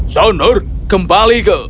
shonor kembali ke